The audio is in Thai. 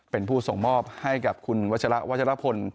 เป็นผู้ส่งมอบให้กับคุณวัชละวัชรพล